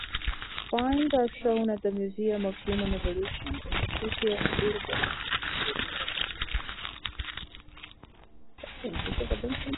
Finds are shown at the Museum of Human Evolution in the city of Burgos.